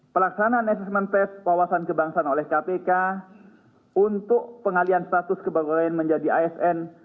pelaksanaan asesmen pes kewawasan kebangsaan oleh kpk untuk pengalihan status kebegawaian menjadi asn